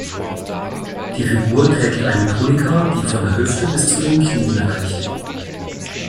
Die Figur trägt eine Tunika, die von der Hüfte bis zu den Knien reicht.